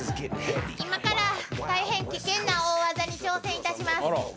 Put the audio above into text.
今から大変危険な大技に挑戦いたします。